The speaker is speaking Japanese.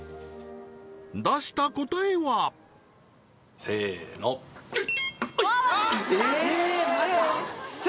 出した答えは？せーのえぇまた？